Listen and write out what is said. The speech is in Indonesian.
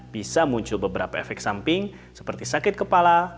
bisa muncul beberapa efek samping seperti sakit kepala